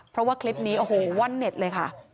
เพราะว่าคลิปนี้โอ้โหว่อนเน็ตเลยค่ะ